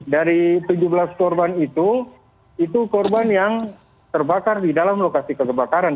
dari tujuh belas korban itu itu korban yang terbakar di dalam lokasi kekebakaran